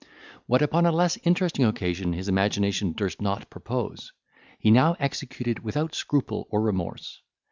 What upon a less interesting occasion his imagination durst not propose, he now executed without scruple or remorse.